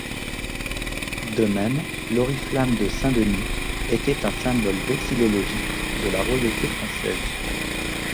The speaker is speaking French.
De même, l'oriflamme de Saint-Denis, était un symbole vexillologique de la royauté française.